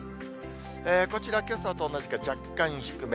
こちら、けさと同じか、若干低め。